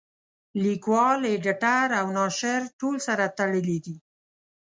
لیکوال اېډیټر او ناشر ټول سره تړلي دي.